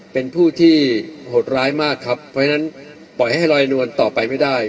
เป็นผู้ที่โหดร้ายมากครับเพราะฉะนั้นปล่อยให้ลอยนวลต่อไปไม่ได้